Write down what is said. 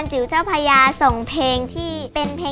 ใช่ค่ะ